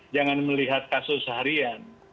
jangan melihat kasus seharian